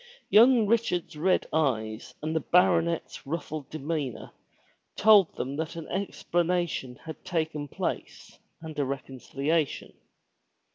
Young Richard's red eyes and the baronet's ruffled demeanor told them that an explanation had taken place and a reconciliation.